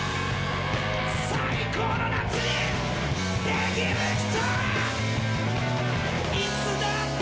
最高の夏にできる人！